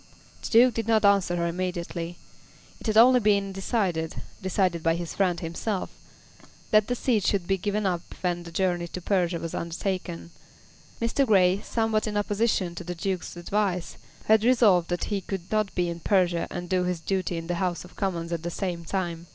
The Duke did not answer her immediately. It had only just been decided, decided by his friend himself, that the seat should be given up when the journey to Persia was undertaken. Mr. Grey, somewhat in opposition to the Duke's advice, had resolved that he could not be in Persia and do his duty in the House of Commons at the same time.